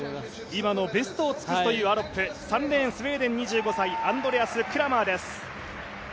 今のベストを尽くすというアロップ、３レーンスウェーデン、２５歳アンドレアス・クラマーです。